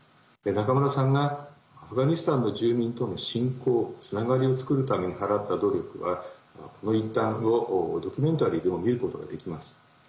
中村さんがアフガニスタンの住民との親交つながりを作るために払った努力は、その一端をドキュメンタリーでも見ることができます。